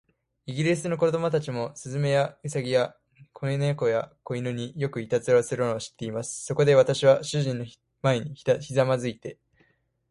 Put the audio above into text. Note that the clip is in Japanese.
イギリスの子供たちも、雀や、兎や、小猫や、小犬に、よくいたずらをするのを知っています。そこで、私は主人の前にひざまずいて